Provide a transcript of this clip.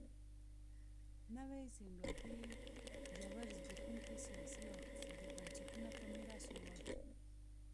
نوې زیمبابوې ژور زبېښونکي سیاسي او اقتصادي بنسټونه په میراث یووړل.